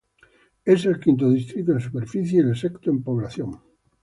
Es el quinto distrito en superficie y el sexto en población.